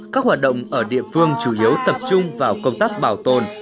các hoạt động ở địa phương chủ yếu tập trung vào công tác bảo tồn